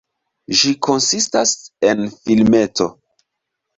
Ĝi konsistas en filmeto.